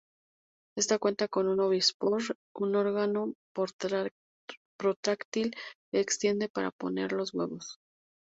Ésta cuenta con un ovipositor, un órgano protráctil que extiende para poner los huevos.